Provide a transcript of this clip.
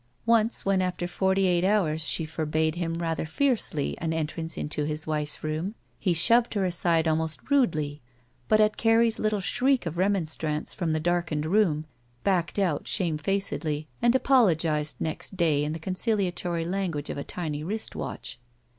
Once, when after forty eight hours she forbade him rather fiercely an entrance into his wife's room, he shoved her aside almost rudely, but, at Carrie's little shriek of remonstrance from the darkened room, backed out shamefacedly, and apologized next day in the con ciliatory language of a tiny wrist watdi.